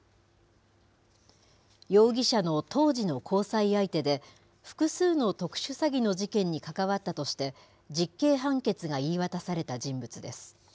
容疑者の当時の交際相手で、複数の特殊詐欺の事件に関わったとして、実刑判決が言い渡された人物です。